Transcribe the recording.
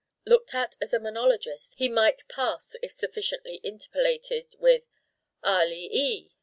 Looked at as a monologist he might pass if sufficiently interpolated with ah le ee!